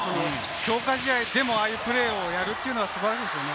強化試合でもああいうプレーをやるっていうのは素晴らしいですね。